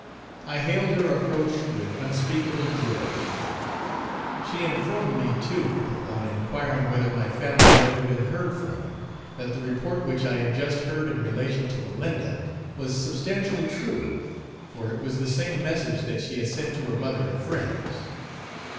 I hailed her approach with unspeakable joy. She informed me too, on inquiring whether my family had ever been heard from, that the report which I had just heard in relation to Malinda was substantially true, for it was the same message that she had sent to her mother and friends.